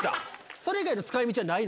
それ以外使い道ない？